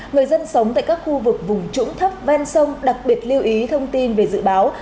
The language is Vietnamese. người dân sống tại các khu vực vùng trũng thấp ven sông đặc biệt lưu ý thông tin về dự báo